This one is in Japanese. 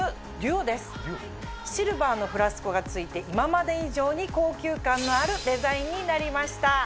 シルバーのフラスコが付いて今まで以上に高級感のあるデザインになりました。